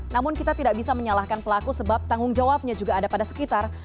namun kita tidak bisa menyalahkan pelaku sebab tanggung jawabnya juga ada pada sekitar